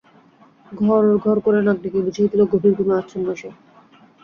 ঘরর ঘরর করে নাক ডেকে বুঝিয়ে দিল, গভীর ঘুমে আচ্ছন্ন সে।